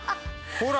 ほら！